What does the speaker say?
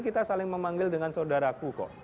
kita saling memanggil dengan saudaraku kok